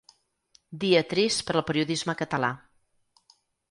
Dia trist per al periodisme català.